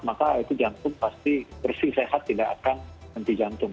maka itu jantung pasti bersih sehat tidak akan henti jantung